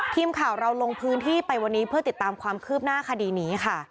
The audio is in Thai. ทีมข่าวเราลงพื้นที่ไปวันนี้เพื่อติดตามความคืบหน้าคดีนี้ค่ะ